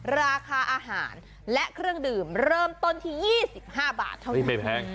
ราคาอาหารและเครื่องดื่มเริ่มต้นที่๒๕บาทเท่านั้นที่ไม่แพง